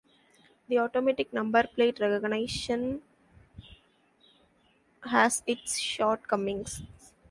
The automatic number plate recognition has its shortcomings.